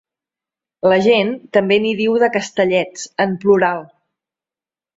La gent també n'hi diu de Castellets, en plural.